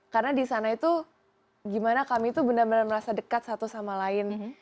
karena di sana itu gimana kami itu benar benar merasa dekat satu sama lain